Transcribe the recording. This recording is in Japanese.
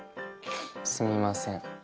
すみません。